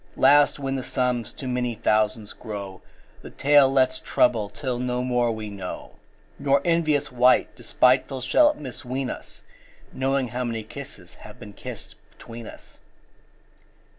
Last when the sums to many thousands grow, 10 The tale let's trouble till no more we know, Nor envious wight despiteful shall misween us Knowing how many kisses have been kissed between us.